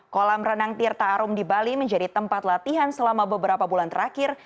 kolam renang tirta arum di bali menjadi tempat latihan selama beberapa bulan terakhir